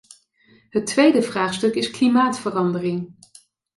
Het tweede vraagstuk is klimaatverandering.